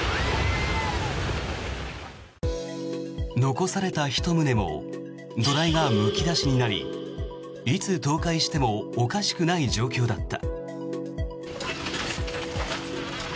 残された１棟も土台がむき出しになりいつ倒壊してもおかしくない状況だった。